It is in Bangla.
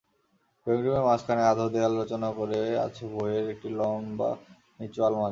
ড্রয়িংরুমের মাঝখানে আধো দেয়াল রচনা করে আছে বইয়ের একটি লম্বা নিচু আলমারি।